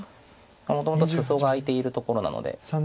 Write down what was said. もともとスソが空いているところなので。